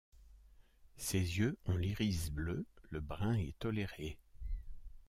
Ses yeux ont l'iris bleu, le brun est toléré.